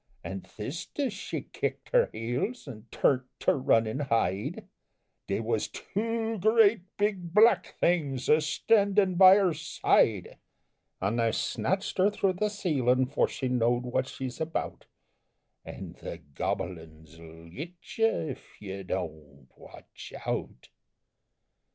An' thist as she kicked her heels, an' turn't to run an' hide, They was two great big Black Things a standin' by her side, An' they snatched her through the ceilin' 'fore she know'd what she's about, An' the gobble uns 'll git you Ef you Don't Watch Out!